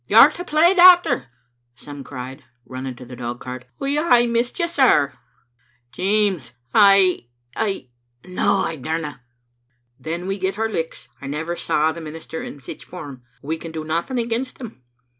" You're to play, doctor?" some cried, running to the dog cart. " We hae missed you sair." " Jeames, I — I —. No, I dauma." " Then we get our licks. I never saw the minister in sic form. We can do nothing against him."